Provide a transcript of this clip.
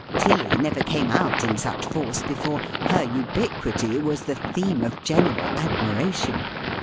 Tilly never came out in such force before. Her ubiquity was the theme of general admiration.